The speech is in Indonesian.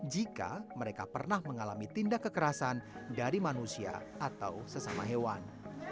jika mereka pernah mengalami tindak kekerasan dari manusia atau sesama hewan